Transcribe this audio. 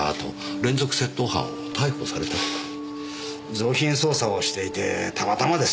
贓品捜査をしていてたまたまです。